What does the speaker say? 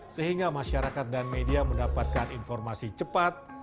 sehingga masyarakat dan media mendapatkan informasi cepat